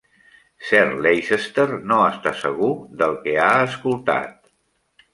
Sir Leicester no està segur del que ha escoltat.